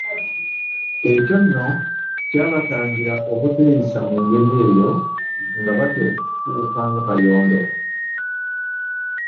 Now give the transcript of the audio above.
Ekyo nno kyabatangira obuteeyisa mu ngeri eyo nga batya okufuuka nga Kayondo.